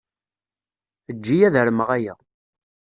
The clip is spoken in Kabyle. Eǧǧ-iyi ad armeɣ aya.